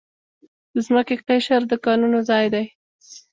د ځمکې قشر د کانونو ځای دی.